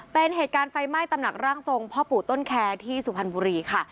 เป็นเหตุการณ์ไฟไหม้ตำหนักร่างทรงพ่อปู่ต้นแคร์ที่สุพรรณบุรีค่ะ